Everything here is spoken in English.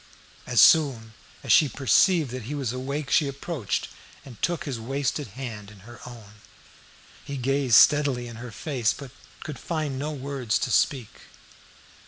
As soon as she perceived that he was awake she approached and took his wasted hand in her own. He gazed steadily in her face, but could find no words to speak.